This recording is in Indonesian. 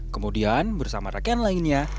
kemudian bersama rakan lainnya